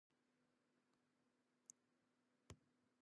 But the gains were illusory.